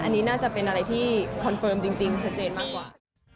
อันนี้น่าจะเป็นอะไรที่คอนเฟิร์มจริงชัดเจนมากกว่า